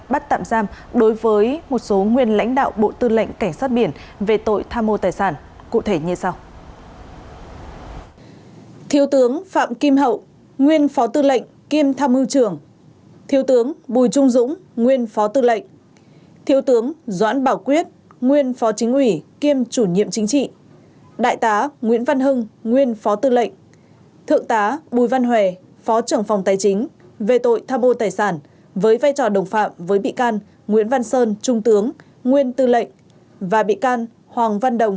bắt tạm giam đối với một số nguyên lãnh đạo bộ tư lệnh cảnh sát biển về tội tham ô tài sản cụ thể như sau